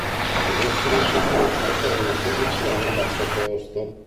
Così ho scritto questo per una produzione a basso costo.